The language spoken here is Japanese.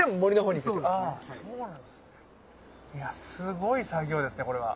いやすごい作業ですねこれは。